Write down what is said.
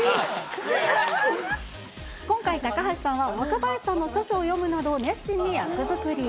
今回、高橋さんは若林さんの著書を読むなど熱心に役作り。